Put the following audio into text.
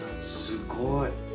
すごい。